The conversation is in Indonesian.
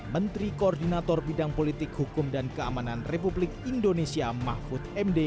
menteri koordinator bidang politik hukum dan keamanan republik indonesia mahfud md